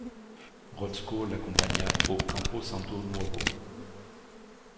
Rotzko l’accompagna au Campo Santo Nuovo.